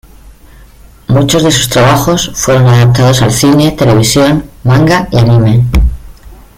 Muchos de sus trabajos fueron adaptados al cine, televisión, manga y anime.